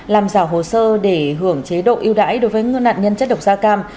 làm rào hồ sơ để hưởng chế độ yêu đáy đối với nạn nhân chất độc da cam